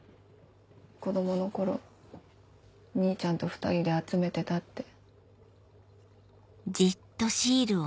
子供の頃兄ちゃんと２人で集めてたって。